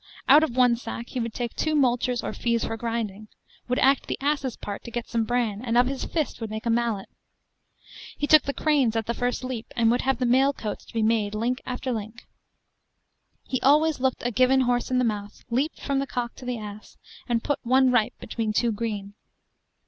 Out of one sack he would take two moultures or fees for grinding; would act the ass's part to get some bran, and of his fist would make a mallet. He took the cranes at the first leap, and would have the mail coats to be made link after link. He always looked a given horse in the mouth, leaped from the cock to the ass, and put one ripe between two green.